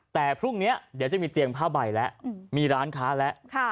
แต่พรุ่งนี้เดี๋ยวจะมีเตียงผ้าใบแล้วมีร้านค้าแล้ว